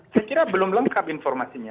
saya kira belum lengkap informasinya